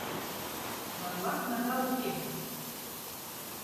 Марла кнага уке.